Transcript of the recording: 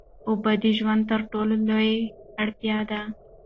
اوبه د ژوند تر ټولو لویه اړتیا ده.